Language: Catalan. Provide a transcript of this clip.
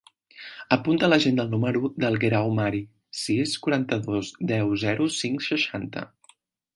Apunta a l'agenda el número del Guerau Mari: sis, quaranta-dos, deu, zero, cinc, seixanta.